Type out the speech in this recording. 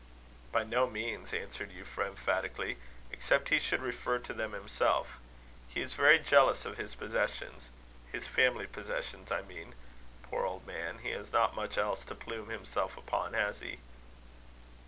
"By no means," answered Euphra, emphatically, "except he should refer to them himself. He is very jealous of his possessions his family possessions, I mean. Poor old man! he has not much else to plume himself upon; has he?"